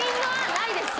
ないです。